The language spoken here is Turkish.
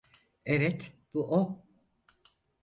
Evet, bu o.